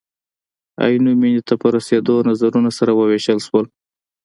عینو مینې ته په رسېدلو نظرونه سره ووېشل شول.